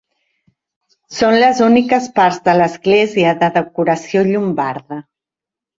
Són les úniques parts de l'església de decoració llombarda.